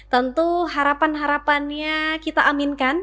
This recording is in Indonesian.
tentu harapan harapannya kita aminkan